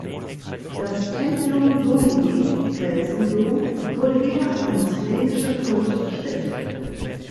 Das "Templum Domini" (Felsendom) wurde wieder eine moslemische Kultstätte.